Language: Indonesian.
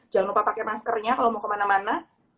jangan lupa pakai maskernya kalau mau kemana mana